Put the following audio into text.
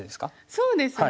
そうですね。